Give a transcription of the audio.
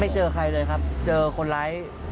เจอใครเลยครับเจอคนร้าย